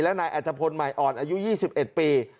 และนายอัฐพลใหม่อ่อนอายุ๒๑ปี